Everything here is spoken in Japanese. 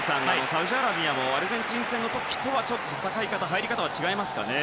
サウジアラビアもアルゼンチン戦の時とはちょっと戦い方入り方は違いますかね。